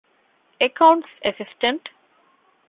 އެކައުންޓްސް އެސިސްޓަންޓް